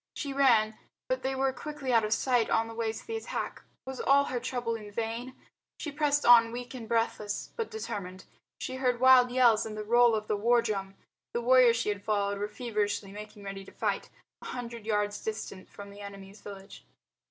She ran, but they were quickly out of sight on the way to the attack. Was all her trouble in vain? She pressed on weak and breathless, but determined. She heard wild yells and the roll of the war drum. The warriors she had followed were feverishly making ready to fight, a hundred yards distant from the enemy's village.